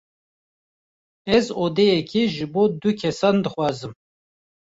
Ez odeyeke ji bo du kesan dixwazim.